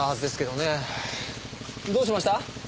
どうしました？